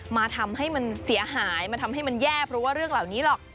มาทำให้มันเสียหายมาทำให้มันแย่เพราะว่าเรื่องเหล่านี้หรอก